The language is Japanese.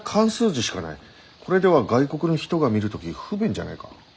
これでは外国の人が見る時不便じゃないか？